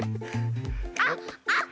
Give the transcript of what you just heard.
あっあっ！